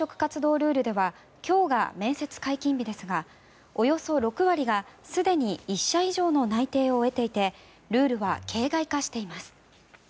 ルールでは今日が面接解禁日ですがおよそ６割がすでに１社以上の内定を得ていてルールは形がい化しています。